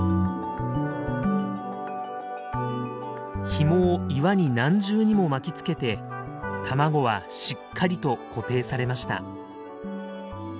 ひもを岩に何重にも巻きつけて卵はしっかりと固定されました。